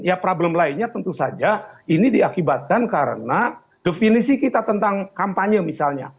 ya problem lainnya tentu saja ini diakibatkan karena definisi kita tentang kampanye misalnya